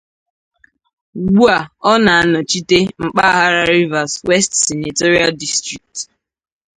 Ugbu a ọ na-anọchite mpaghara Rivers West Senatorial District.